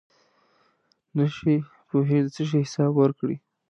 نشی پوهېږي د څه شي حساب ورکړي.